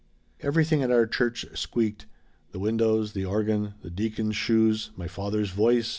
"Everything at our church squeaked. The windows. The organ. The deacon's shoes. My father's voice.